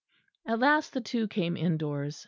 At last the two came indoors.